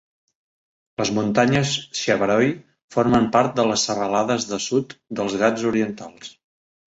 Les muntanyes Shevaroy formen part de les serralades de sud dels Ghats Orientals.